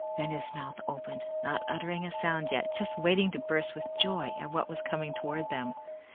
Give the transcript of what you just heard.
Then his mouth opened, not uttering a sound yet, just waiting to burst with joy at what was coming toward them.